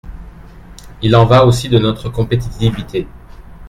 Il en va aussi de notre compétitivité.